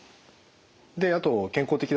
であと健康的だし。